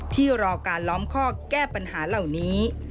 รอการล้อมข้อแก้ปัญหาเหล่านี้